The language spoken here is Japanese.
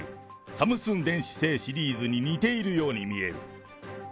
サムスン電子製シリーズに似ているように見える。